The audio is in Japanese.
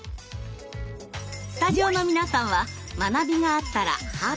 スタジオの皆さんは学びがあったらハートボタンをプッシュ。